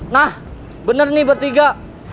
nah bener nih bertiga